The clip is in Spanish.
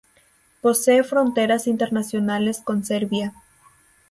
Posee fronteras internacionales con Serbia.